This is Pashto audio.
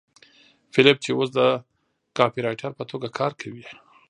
فیلیپ چې اوس د کاپيرایټر په توګه کار کوي